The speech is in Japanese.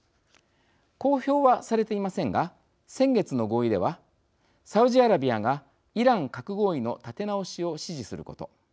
公表はされていませんが先月の合意ではサウジアラビアがイラン核合意の立て直しを支持すること